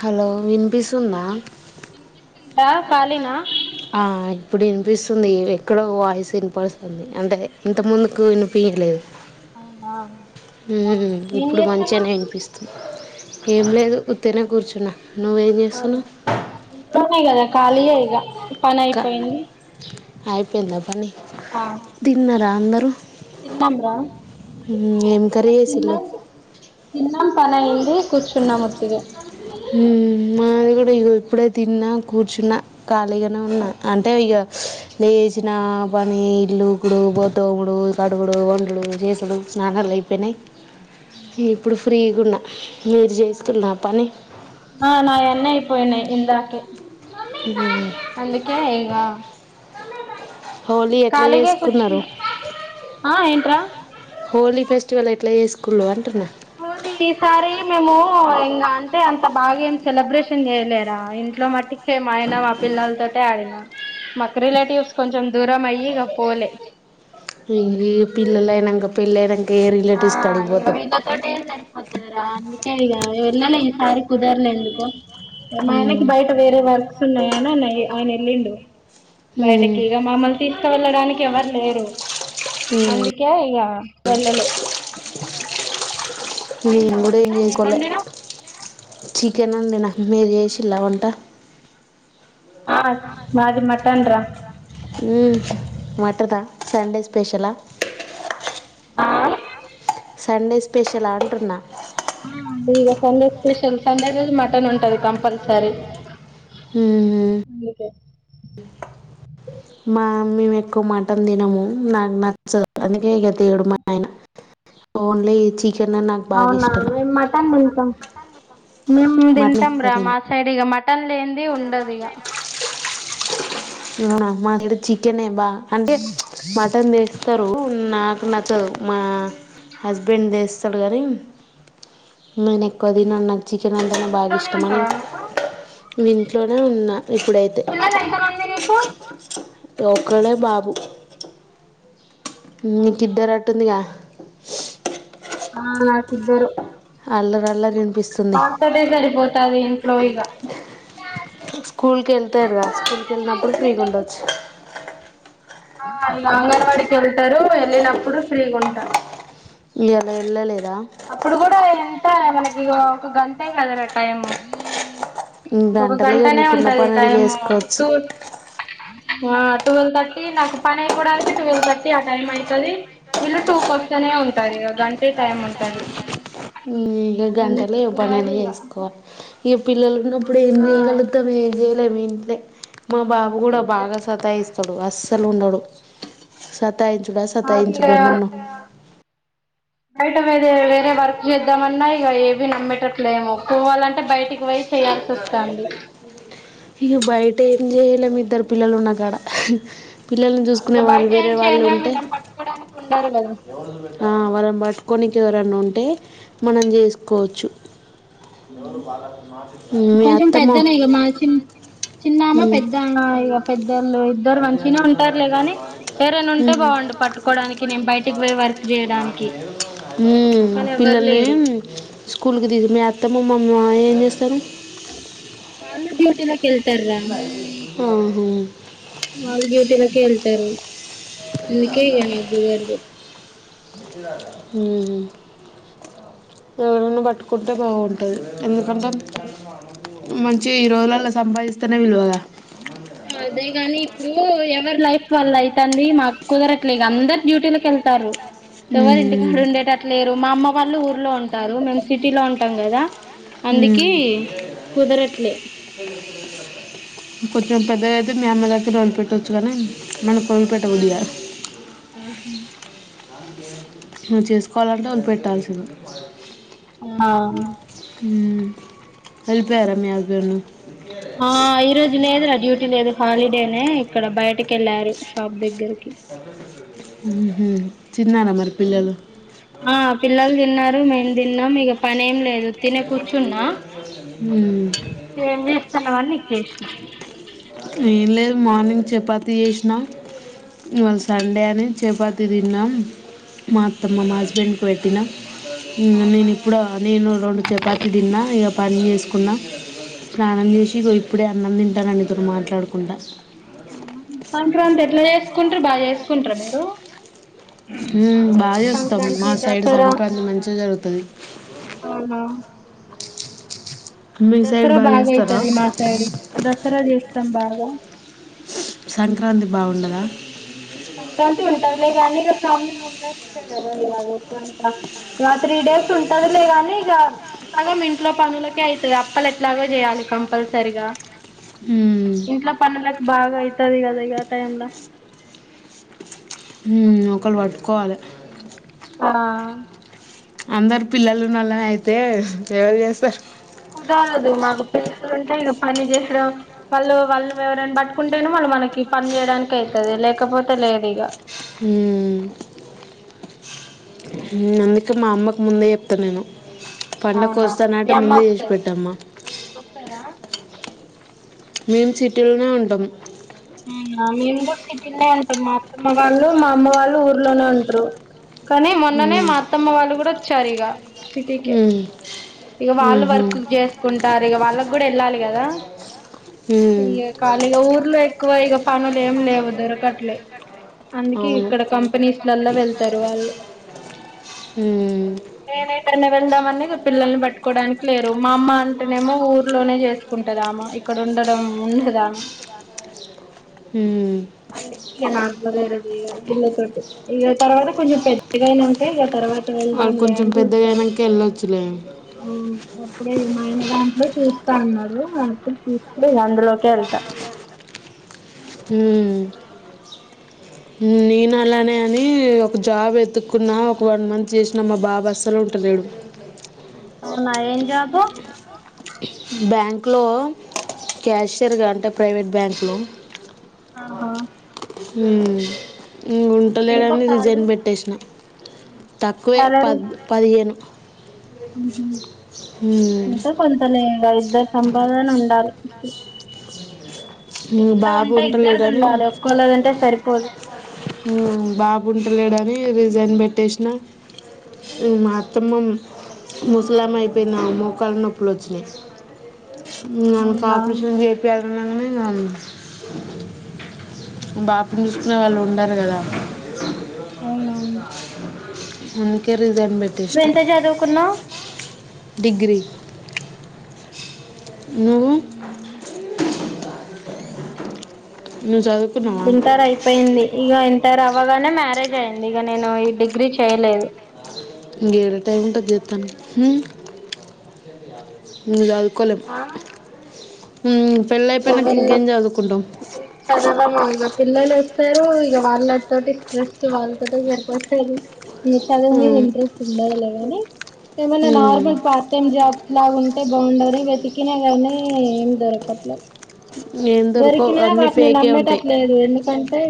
Hello వినిపిస్తుందా వినిపిస్తద్ ఆ ఇప్పుడు వినిపిస్తుంది ఏవ ఇక్కడో వాయిస్ వినపడుస్తుంది అందుకే ఇంత ముందుకు వినిపియట్లేదు అవునా ఊ ఇప్పుడు మంచిగానే వినిపిస్తుంది ఏం లేదు ఉత్తనే కూర్చున్నా నువ్వేం అవును చేస్తున్నావ్ ఇంట్లోనే కదా కాలియే ఇగ పని అయిపోయింది అయిపేందా పని ఆ రా అందరు తిన్నాంరా ఏం కర్రీ చేసిల్లు తిన్నాం తిన్నాం పని అయింది కూర్చున్నా మత్తుగా మాది కూడా ఎప్పుడే తిన్నా కూర్చున్నా కాలీగానే ఉన్నా అంటే ఇగ లేచిన పని ఇల్లుకుడు బోతోముడు కడువుడు వండుడు చేసుడు స్నానాలు అయిపోయినాయి ఇప్పుడు ఫ్రీగున్నా మీరుజేస్తున్నార పని ఆ నాయన్ని అయిపోయినాయి ఇందాకే ఉమ్. అందుకే ఇగా హోలీ ఎట్లా కాలీగే చేసుకున్నారు కూర్చున్న ఆ ఏంట్రా హోలీ ఫెస్టివల్ ఎట్లా చేసుకున్నారు అంటున్నా లీ ఈసారి మేము ఇంకా అంటే అంత బాగా ఏం సెలబ్రేషన్ చేయలేరా ఇంట్లో మట్టి షేమ్ మాయనా అ పిల్లతోటి అడి మాకు రిలేటివ్స్ కొంచెం దూరం అయ ఇక పోలే ఇ పిల్లల్లు అయినంక పెళ్లి ఆ వీళ్ళ తోటే సరిపోతాదిరా అంత ఇనే ఈసారి కుదరలే ఎందుకో మా ఆయనకి ఉమ్. బయట వేరే వర్క్స్ ఉన్నాయాని ఆయన వెళ్ళిండు ఉమ్, బయటకి ఇక మమ్మల్ని తీసుకు వెళ్ళడానికి ఎవరు లేరు, ఉమ్. అందుకే ఇక వెళ్ళలే ఇ అయిందా వంట గుడుగకోలే ఏమండినావు చికెన్ అంది నాకు మీరు చేసి వంట ఆ మాది మటన్రా ఉమ్, మటనా సండే స్పెషలా ఆ? సండే స్పెషల్ అంటున్నా సండే స్పెషల్ సండే రోజ మటన్ ఉంటది కంపల్సరి హమ్ మా మేము ఎక్కువ మటన్ తినము నాకు నచ్చదు అందుకే గతే ఏడు మ ఆయన ఓన్లీ చికెన్ అని నాకు బాగా అవునా ఇష్టం మ మటన్ తింతాం నిమ్ మటన్ తింటాం ఎక్కువ తిన మా సైడ్ మటన్ పన్లు ఏందీ ఉండదుగా మా ఇక్కడ చికెన్ బాగా అంటే మటన్ తీస్తారు నాకు నచ్చదు మా హస్బెండ్ తీస్తాడు కానీ నేను ఎక్కువ తిన నాకు చికెన్ అంతానే బాగా ఇంట్లోనే ఇష్టం అనీ ఉంటావా నువ్వు ఇంట్లోనే ఉన్నా ఇప్పుడైతే పిల్లలు ఎంత మంది తోకలో బాబు మీ అవునా కిద్దరటుంది గా ఆ నాకిద్దరు అలార్లారీ ఉంటే పాపటే సరిపోతది ఇంట్లో ఇక స్కూల్కి వెళ్తారుగా స్కూల్కి వెళ్ళినప్పుడు ఫ్రీగా ఉండొచ్చు ఆ ఇగ అంగన్వాడికి వెళతారు వెళ్ళినప్పుడు ఫ్రీగుంటా ఇయాల ఎళ్ళలే అప్పుడు కూడ ఎ కి మనకిగో ఒక గంటే కదరా టైమ్ ఊ ్అగంటలో ఇగ మీకున్న పనులు చేసుకోవచ్చు టూ ఆ టువల్ థర్టీ నాకు పని అయిపోవడానికి టువల్ థర్టీ ఆ టైమ్ అయితది వీళ్ళు టూ కొస్తేనే ఉంటారిగ గంటే టైం ఉన్ [unintelligible] ఈగ గంటలు ఇవ్ పనులన్నీ చేసుకోనీ పిల్లలు ఉన్నప్పుడు ఏం ఆ చేయగలుగుతం ఏం చేయ్ లేం ఇంట్లే మా బాబు కూడా అంతే బాగా సతాయిస్త తడు అస్సల్ ఉండడు సత్ తాయించుడా నాకు సతాయించుడా ఇగ నన్ను బయట వేరే వేరే వర్క్ చేద్దామన్నా ఇగ ఏవి నమ్మేటట్లేము పోవాలంటే బయటికి పోయి చేయాల్సి వస్తుంది ఇగ బయటేం చేయలేం ఇద్దర్ పిల్లలు ఉన్న కాడ పిల్లల్ని చూసుకునే ఇక వాళ్ళు బయట ఏం వేరే వాళ్ళు చేయలేము ఉంటే, వీళ్ళని పట్టుకోడానికి ఉండరు కదా ఆ వాళ్ళని పట్టుకోనికి ఎవరన్నా ఉం టే మనం చేసుకోవచ్చు ఎవరు బాల మా కొంచెం పెద్దనే ఇగ మా చిన్ చిన్నామే పెద్దంగా ఇక పెద్ద హమ్ ఎవరైనా ఉంటే బాగుండు పట్టుకోవడానికి నేను బయటికి పోయి వర్క్ చేయడానికి ఉమ్ కానీ ఎవరు పిల్లల్ని లేరు స్కూల్కి [unintelligible] మీ అత్తమ్మ మీ మామయ్య ఏం చేస్తారు వాళ్ళు డ్యూటీల కెళ్తర్ర ఆహా. వాళ్ళు డ్యూటీలకె టరు అందుకే ఇగ నేను [unintelligible] ఎవలన్న పట్టుకుంటే బాగుంటది ఎందు కంటెంట్ మం చె ఈ రోజులల్ల సంప తనే విలువగా అదేగాని ఇప్పుడు ఎవర్ లైఫ్ వల్ల అయితంది మాకు కుదరట్లే ఇగ అందరు డ్యూటీలకి వెళ్తాన్ రు ఎవరు మ్మ్. ఇంటికాడు ఉండేటట్లు లేరు మా అమ్మ వాళ్ళు ఊర్లో ఉంటారు మేం సిటీలో ఉంటాం కదా మ్మ్. అందుకి కుదరట్లే అ కొంచం పెద్దగా అయితే మీ అమ్మ దగ్గ్ ర పెట్టొచ్చు కానీ మన కోపేట బదియా నువ్వు చేసుకోవాలంటే వాళు పెట్టాల్సింది ఆ ఆ హ అలి ప్యార మీ ఆగ ఆ ఈ రోజు లేదురా డ్యూటీ లేదు హాలిడేనే ఇక్కడ బయటకి వెళ్లారు షాప్ దగ్గరకి ఆ ఆ పిల్లలు తిన్నారు మేము తిన్నాం ఇక పని ఏం లేదు తినే కూర్చున్నా మ్మ్. తనవన్నీ చేస ఏం లేదు మార్నింగ్ చపాత చేసినాం ఇవాళ సండే అని చపాతి తిన్నాం మా అత్తమ్మ మా హస్బెండ్కి పెట్టినా అవునా నేను ఇప్పుడు నేను రెండు చపాతి తిన్నా ఇక పని చేసుకున్న స్నానం చేసి ఇగో ఇప్పుడ అన్నం తింటానా ఇరు మాట్లాడకుండా సంక్రాంతి ఎట్ల చసుకుంటారు బాగా చేసుకుంటారు మీరు హ బాగా చేస్తాం సంక్రాంతి మా సైడ్ దసరా సంక్రాంతి మంచిగా జరుగుతుంది అవునా మీ సైడ్ దసరా బాగా చేస్తారా అయితది మా సైడ్ దసరా చేస్తా సంభావా సంక్రాంతి బాగుండదా సంక్రాంతి ఉంటది లేగాని ఇక ఫ్యామిలీ మెంబెర్స్కే కదా ఇలా ఎక్కువంత ఇ త్రీ డేస్ ఉంటది లేగాని ఇక సగం ఇంట్లో పనులకే అవుతుంది అప్పలు ఎట్లాగో చేయాలి కంపల్సరిగా ఉమ్, ఇంట్లో పన్నలకు బాగా అయితది కదా ఇక టైమ్లా ఒకరు పట్టుకోవాలి ఆ అందరు పిల్లలు వాల్లనే అయితే ఎవరు చేస్తారు కుదాలదు మాకు పిల్లలు ఉంటాయి పని చేసడం వాళ్ళు వాళ్ళు ఎవరైనా పట్టుకుంటేనే వాళ్ళు మనకి పని చేయడానికి అవుతుంది లేకపోతే లేదు ఇక హ అందుకే మా అమ్మకు ముందే చెప్తాను నేను పండకు అవునా మీ వస్తానంటే అమ్మ ముందే చేసి వస్తది పెట్టమ్మా వస్తారా మేం సీటిలోనే ఉంటాం నేనుకూడ ఇన్నె ఉంటా మా అత్తమ్మ వాళ్ళు మా అమ్మ వాళ్ళు ఊర్లోనే ఉంటరు కానీ మొన్ననే మ్మ్. మా అత్తమ్మ వాళ్ళు కూడా వచ్చారు ఇగా సిటీకే మ్మ్. ఇగ వాళ్ళు మ్మ్హ. వర్క్ చేసుకుంటరు ఇగా వాళ్ళకి గుడా ఏళ్ళాలి కదా మ్మ్. ఇగా కాళీగా ఊర్లో ఎ ఇగ పనులు ఏం లేవు దొరకట్లే అందుకే ఇగ అవును ఇక్కడ కంపెనీసు లల్ల వెళ్తరు వాళ్ళు మ్మ్. నేనేటన వెళ్దాం అనే ఇగ పిల్లల్ని పట్టుకోవడానికి లేరు మా అమ్మ అంటేనేమో ఊర్లోనే చేసుకుంటదామా ఇక్కడ ఉండడం ఉండదా అ మ్మ్. అందుకి ఇగ నాకుడ వేరేది ఇగా వీళ్ళ తోటి ఇగా తర్వాత కొంచెం పెద్దగా అయినాక ఇగ తర్వాత వాళ్ళు వెళ్దాంలే కొంచెం అని చూస్తాను పెద్దగాయినాక వెళ్ళొచ్చులే అప్పుడే మా ఆయన దాంట్లో చూస్తా అన్నారు అయాన ఒప్పుకొని చూస్తే అందులోకె ఎళ్తా ఉ నేను అలానే అని ఒక జాబ్ ఎతుక్కున్నా ఒక వన్ మంత్ చేసినా మా బాబా అస్సలు ఉంటలేడు అవునా ఏం జాబ్ పెరిగిన బ్యాంకులో క్యాషయర్గా అంటే ప్రైవేట్ బ్యాంకులో ఆహా ఉ ఇ ఎంత ఉంటలేడని రిజైన్ సాలరీ పెట్టేసినా తక్కువే సాలరీ పద్ పదిహేను హు ఇలా ఇద్దరి సంపాదన ఉండాలి ఉమ్, ఇంట్లో బాబు ఉంటే ఇద్దరిది ఉంటలేడని ఉండాలే ఒక్కోళ ఉంటే సరిపోదు బాబు వుంటలేడని రిజైన్ పెట్టేసిన మా అత్తమ్మ ముసలామా అయిపోయింది. ఆమె మోకాళ్లు నొప్పులు వచ్చినాయి ఇగ ఆమెకు అవునా ఆపరేషన్ చెపియాలే నన్ను అంగని బాబుని చూసుకునే వాళ్ళు ఉండరు కదా అవునవును ఇంకేం నువ్ ఎంత చదువుకున్నావ్ డిగ్ర్రి నువు చదువుకున్నావా ఇంటర్ అయిపోయింది ఇగ టర్ అవ్వగానే మ్యారేజ్ అయింది ఇక నేను ఈ డిగ్రీ చేయలేదు. ఇంగేడ టైంపాస్ చెత్తాన ఇంగరావు కొలం ఉ ఇగ వెళ్ళం [unintelligible] ఇగ పిల్లలు వస్తారు ఇగ వాళ్ళ తొటి స్ట్రెస్ వాళ్ళ తొటె సరిపోతాది. ఇంక చదువు మీద మ్మ్. ఇంట్రెస్ట్ ఉండాదులేగానీ ఏమైనా మ్మ్. నార్మల్ పార్ట్ టైమ్ జాబ్స్ లాగా ఉ టె బౌండరీ వెతికినా గాని ఏం దొరకట్లా ఏం దొరకవు దొరికినా అన్ని వాటిని ఫేకే ఉంటాయి నమ్మేటట్లేదు ఎందుకంటే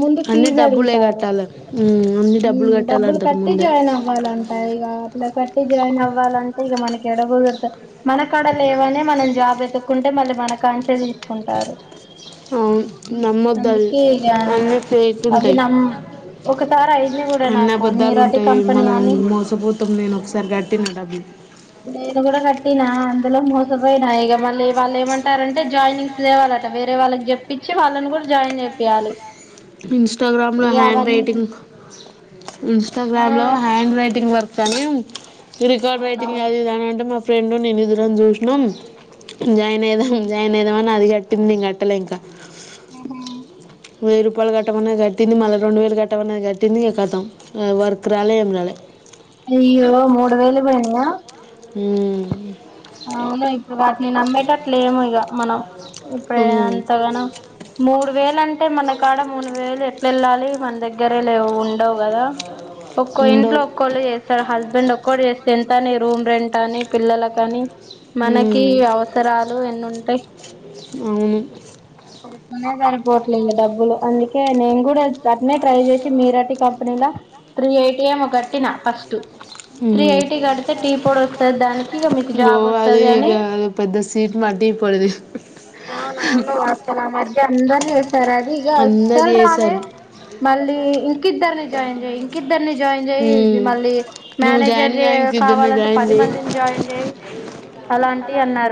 ముందు అన్ని ఫీజు డబ్బులే అడుగుతారు కట్టాలి మ్మ్. అన్ని ఉం డబ్బులు కట్టాలంటారు కట్టి ముందే జాయిన్ అవ్వాలంట ఇగ ఇలా కట్టి జాయిన్ అవ్వాలంటే ఇగ మనకి యాడ బోయి ఎత్తకచ్ మనకాడ లేవనె మనం జాబ్ ఎతుక్కుంటే మళ్ళీ మన కాంచే తీస్ కుంటారు అవు నమ్మొద్దవి ఇగ అన్ని ఫేక్ అవి ఉంటాయి నమ్ ఒకసారి అయింది కూడా అన్ని నాకు అబద్ధాలు మీరాటి ఉంటాయి కంపెనీ మనం అని మోసపోతాం నేను ఒకసారి కట్టిన డబ్బి నేను కూడా కట్టినా అందులో మోసపోయినా ఇగ మళ్ళీ వాళ్ళు ఏమంటారంటే, జాయినింగ్స్ లేేవాలట వేరే వాళ్ళకి చెప్పిచ్చి వాళ్ళని కూడా జాయిన్ చేపియాలి. ఇన్స్టాగ్రామ్లో ఇగ హ్యాండ్ అవన్నీ రైటింగ్ ఆ ఇంస్టాగ్రామ్లో హ్యాండ్ రైటింగ్ వర్క్ సనీ రికార్డ్ రైటింగ్ అవునవును అదిఇధనంటె మా ఫ్ ఫ్రెండ్ నేను ఇదురం చూసినాం జాయిన్ అయిదాం జాయిన్ అయిదాం అని అది కట్టింది నీ గట్టలే ఇంకా అహ వెయ్యి రూపాయలు కట్టమన్నది కట్టింది మళ్ళ రెండు వేలు కట్టమన్నది కట్టింది ఈక కథం వర్క్ రాలే ఏం రాలే అయ్యో మూడు వేలు పోయినియా హు అవును ఇప్పుడ అ మి నమ్మేటట్లు లేము ఇగ మనం ఇప్పుడే మ్మ్. అంతగాన మూడు వేలంటే మన కాడ మూడు వేలు ఎట్లేళ్ళాలి మన దగ్గరే లేవు ఉండవు కదా ఒక్కో ఉండవు ఇంట్లో ఒక్కోళ్ళు చేస్తారు. హస్బెండ్ ఒక్కోడ్ చేస్తే ఎంతని రూమ్ రెంట్ అని పిల్లలకని మనకి మ్మ్. అవసరాలు ఎన్నుంటాయి అవును సరిపోనే సరిపోవట్లేదు డబ్బులు అందుకే కే నేన్ కూడా అప్ నే ట్రై చేసి మీరాటి కంపెనీలా త్రీఎయ్టీ ఎమో కట్టినా ఫస్ట్ త్రీ ఉమ్ ఎయిటీ కడితే టీ పొడి వస్తది దానికి ఇక మీకు జాబ్ ది వస్తది అని పెద్ద [unintelligible] అవునవును అస్సల్ అమధ్య అం దర్ జేస్ సరే అది ఇగ అందరు అస్సల్ రాలే చేశారు మళ్ళీ ఇంకిద్దర్ని జే జాయిన్ జేయు ఇంకి ఇద్దరిని జాయిన్ జెయ్ ఉమ్ మళ్ళీ నువ్వు మేనేజర్ జాయిన్ జే గా ఇంక ఇద్దరిని కావాలంటే జాయిన్ పది చెయ్ మందిని జాయిన్ జెయ్ అలాంటి టి అన్నారు